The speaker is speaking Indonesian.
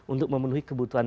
untuk memenuhi kebutuhan